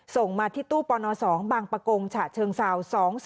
ส่งมาที่ตู้ปน๒บังประกงฉะเชิงสาว๒๔๑๓๐